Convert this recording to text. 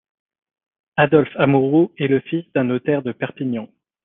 Adolphe Amouroux est le fils d'un notaire de Perpignan.